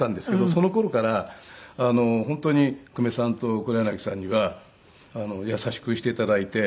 その頃から本当に久米さんと黒柳さんには優しくして頂いて。